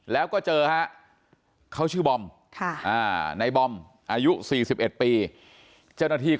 แล้วก็เจอฮะเขาชื่อบอมในบอมอายุ๔๑ปี